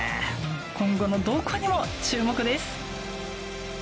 今後の動向にも注目です。